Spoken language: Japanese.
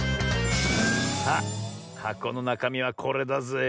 さあはこのなかみはこれだぜえ。